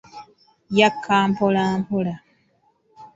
Yakka mpola mpola.